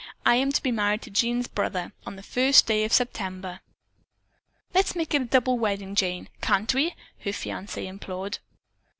I am to be married to Jean's brother on the first day of September." "Let's make it a double wedding, Jane, can't we?" her fiance implored.